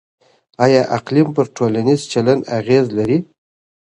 آيا اقليم پر ټولنيز چلند اغېز لري؟